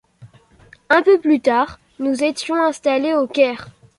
Un peu plus tard, nous étions installés au Caire.